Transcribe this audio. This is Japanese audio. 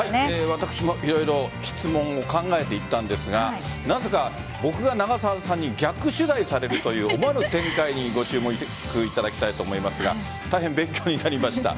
私も色々質問を考えていったんですがなぜか僕が長澤さんに逆取材されるという思わぬ展開にご注目いただきたいと思いますが大変勉強になりました。